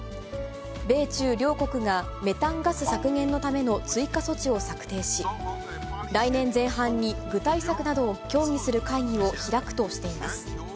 米中両国がメタンガス削減のための追加措置を策定し、来年前半に具体策などを協議する会議を開くとしています。